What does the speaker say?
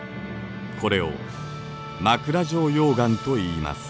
これを枕状溶岩といいます。